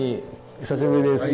久しぶりです。